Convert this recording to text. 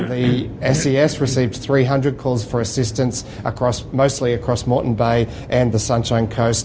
terutama di morton bay dan sunshine coast